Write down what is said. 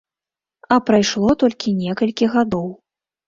А прайшло толькі некалькі гадоў.